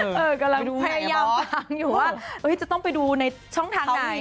กำลังดูพยายามฟังอยู่ว่าจะต้องไปดูในช่องทางไหน